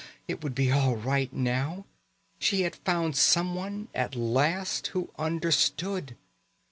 It would be all right now. She had found someone at last who understood.